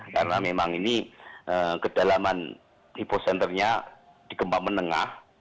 karena memang ini kedalaman nipu sendernya di gembak menengah